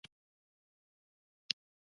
ایا مصنوعي ځیرکتیا د اقتصادي واک توازن نه ګډوډوي؟